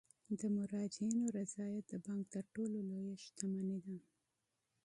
د مراجعینو رضایت د بانک تر ټولو لویه شتمني ده.